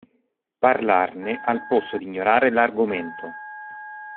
Parlarne al posto di ignorare l'argomento.